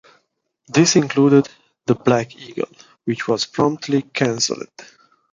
This included the Black Eagle, which was promptly cancelled.